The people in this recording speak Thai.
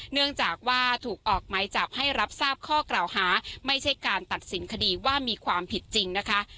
เนื่องจากว่าถูกออกไม้จับให้รับทราบข้อกล่าวหาไม่ใช่การตัดสินคดีว่ามีความผิดจริงนะคะ